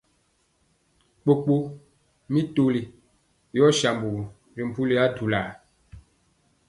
Kpokpo mi toli yɔɔ sambugu ri mpuli adulaa.